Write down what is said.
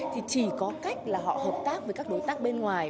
thì chỉ có cách là họ hợp tác với các đối tác bên ngoài